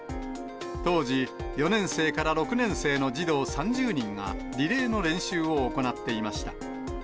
当時、４年生から６年生の児童３０人が、リレーの練習を行っていました。